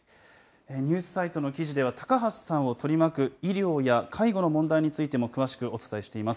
ニュースサイトの記事では、高橋さんを取り巻く医療や介護の問題についても詳しくお伝えしています。